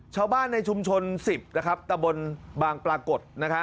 ชาวบ้านในชุมชน๑๐นะครับตะบนบางปรากฏ